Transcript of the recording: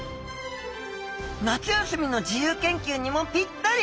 夏休みの自由研究にもピッタリ！